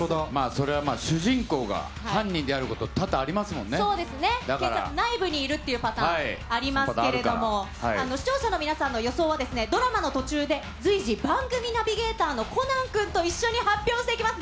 それはまあ主人公が犯人であること、そうですね、警察内部にいるっていうパターンありますけれども、視聴者の皆さんの予想はドラマの途中で、随時、番組ナビゲーターのコナン君と一緒に発表していきます。